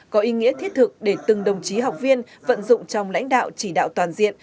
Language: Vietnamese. có ý nghĩa thiết thực để từng đồng chí học viên vận dụng trong lãnh đạo chỉ đạo toàn diện